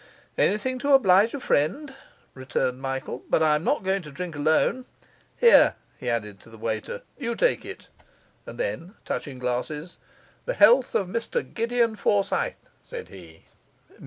'Anything to oblige a friend,' returned Michael. 'But I'm not going to drink alone. Here,' he added to the waiter, 'you take it.' And, then, touching glasses, 'The health of Mr Gideon Forsyth,' said he.